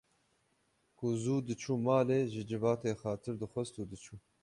Ku zû diçû malê ji civatê xatir dixwest û diçû